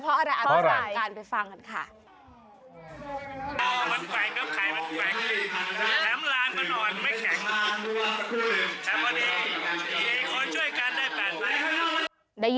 เพราะอะไรอาจจะรู้กันไปฟังกันค่ะ